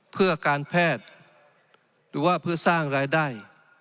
เพื่อการแพทย์หรือว่าเพื่อสร้างรายได้